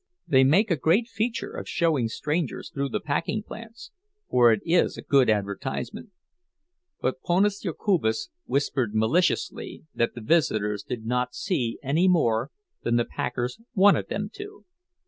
They make a great feature of showing strangers through the packing plants, for it is a good advertisement. But Ponas Jokubas whispered maliciously that the visitors did not see any more than the packers wanted them to.